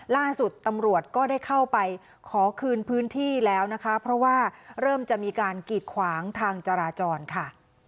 ล่าสุดตำรวจก็ได้เข้าไปขอคืนพื้นที่แล้วนะคะเพราะว่าเริ่มจะมีการกีดขวางทางจราจรค่ะ